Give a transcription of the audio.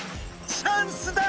チャンスだ！